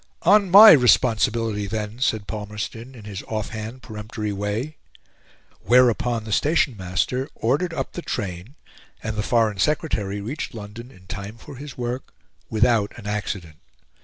"On MY responsibility, then!" said Palmerston, in his off hand, peremptory way whereupon the station master ordered up the train and the Foreign Secretary reached London in time for his work, without an accident.